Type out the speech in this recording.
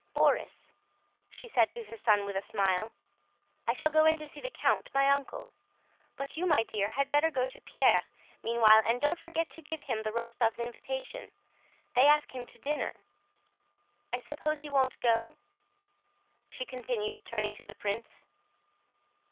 "Borís," she said to her son with a smile, "I shall go in to see the count, my uncle; but you, my dear, had better go to Pierre meanwhile and don't forget to give him the Rostóvs' invitation. They ask him to dinner. I suppose he won't go?" she continued, turning to the prince.